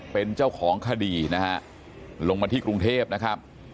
เป็นเจ้าของคดีนะฮะลงมาที่กรุงเทพนะครับ